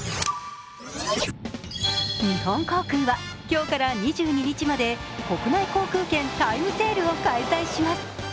日本航空は今日から２２日まで国内航空券タイムセールを開催します。